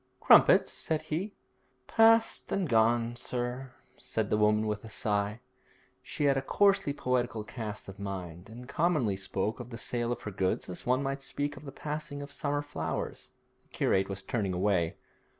'Crumpets?' said he. 'Past and gone, sir,' said the woman with a sigh. She had a coarsely poetical cast of mind, and commonly spoke of the sale of her goods as one might speak of the passing of summer flowers. The curate was turning away.